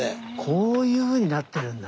こういうふうになってるんだね。